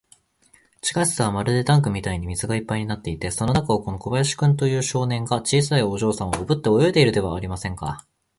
地下室はまるでタンクみたいに水がいっぱいになっていて、その中を、この小林君という少年が、小さいお嬢さんをおぶって泳いでいるじゃありませんか。